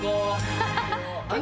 ・ハハハ！